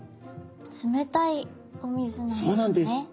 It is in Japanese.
冷たいお水なんですね。